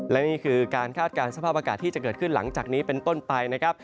และนี่คือการคาดการณ์สภาพอากาศที่จะเกิดขึ้นหลังจากนี้เป็นต้นไปนะครับ